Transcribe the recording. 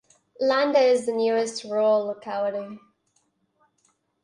Landa is the nearest rural locality.